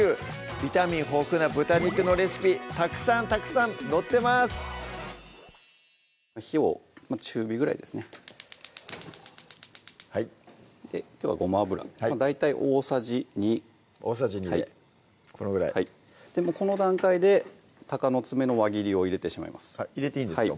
ビタミン豊富な豚肉のレシピたくさんたくさん載ってます火を中火ぐらいですねはいきょうはごま油大体大さじ２大さじ２でこのぐらいはいこの段階でたかのつめの輪切りを入れてしまいます入れていいんですか